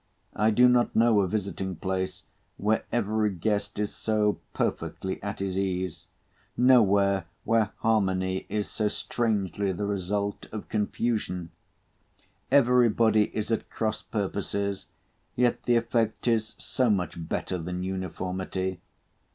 I do not know a visiting place where every guest is so perfectly at his ease; nowhere, where harmony is so strangely the result of confusion. Every body is at cross purposes, yet the effect is so much better than uniformity.